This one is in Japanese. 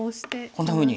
こんなふうに。